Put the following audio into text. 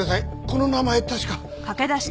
この名前確か。